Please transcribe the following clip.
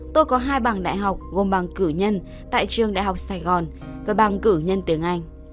tôi có hai bằng đại học gồm bằng cử nhân tại trường đại học sài gòn và bằng cử nhân tiếng anh